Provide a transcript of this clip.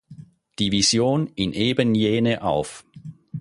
Division in eben jene auf.